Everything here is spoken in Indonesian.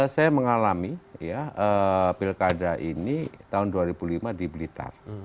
saya mengalami pilkada ini tahun dua ribu lima di blitar